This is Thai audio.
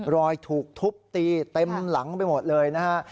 รอยถูกทุบตีเต็มหลังไปหมดเลยนะฮะ